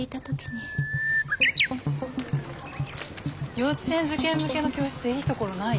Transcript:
幼稚園受験向けの教室でいいところない？